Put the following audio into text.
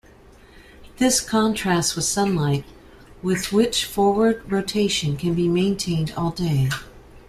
This contrasts with sunlight, with which forward rotation can be maintained all day.